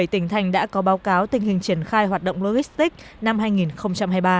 một mươi tỉnh thành đã có báo cáo tình hình triển khai hoạt động logistics năm hai nghìn hai mươi ba